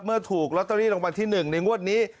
เมื่อถูกลอตเตอรี่รางวัลที่๑ในงวดนี้